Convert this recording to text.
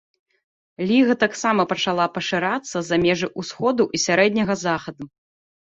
Ліга таксама пачала пашырацца за межы ўсходу і сярэдняга захаду.